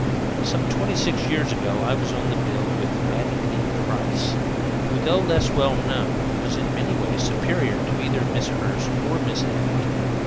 Some twenty six years ago I was on the bill with Mattie Lee Price, who, though less well known, was in many ways superior to either Miss Hurst or Miss Abbott.